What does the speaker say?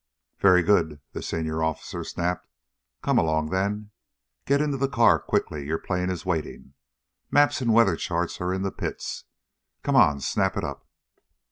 "Very good!" the senior officer snapped. "Come along, then. Get into the car quickly! Your plane is waiting. Maps and weather charts are in the pits. Come on; snap it up!"